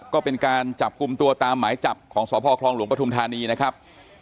ก็เป็นการจับกลุ่มตัวตามหมายจับของสพคลองหลวงปฐุมธานีนะครับ